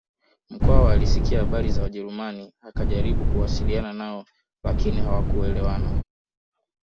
Mkwawa alisikia habari za wajerumani akajaribu kuwasiliana nao lakini hawakuelewana